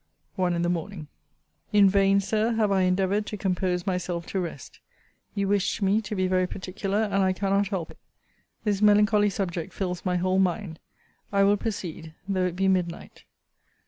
ONE IN THE MORNING. In vain, Sir, have I endeavoured to compose myself to rest. You wished me to be very particular, and I cannot help it. This melancholy subject fills my whole mind. I will proceed, though it be midnight.